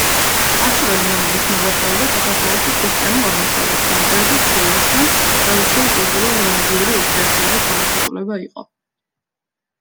ასურელი მამების მოღვაწეობა საქართველოში ქრისტიანულ აღმოსავლეთთან, კერძოდ, სირიასთან, ტრადიციულ კულტურულ-რელიგიური ურთიერთობის გამოხატულება იყო.